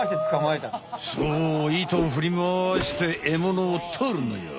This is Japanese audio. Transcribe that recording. そう糸をふり回して獲物をとるのよ。